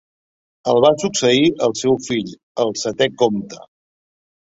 El va succeir el seu fill, el setè comte.